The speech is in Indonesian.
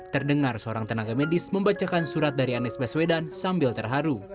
terdengar seorang tenaga medis membacakan surat dari anies baswedan sambil terharu